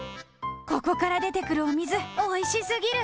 ここから出てくるお水、おいしすぎる！